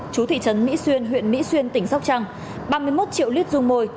chú thị trấn mỹ xuyên huyện mỹ xuyên tỉnh sóc trăng ba mươi một triệu lít dung môi